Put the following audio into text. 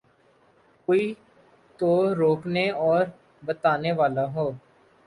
کوئی تو روکنے اور بتانے والا ہو۔